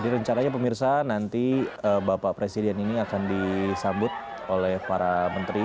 jadi rencananya pemirsa nanti bapak presiden ini akan disambut oleh para menteri